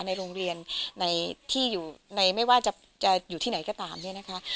ในโรงเรียนในที่อยู่ในไม่ว่าจะอยู่ที่ไหนก็ตามเนี่ยนะคะ